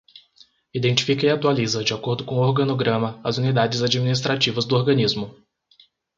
Identifica e atualiza, de acordo com o organograma, as unidades administrativas do organismo.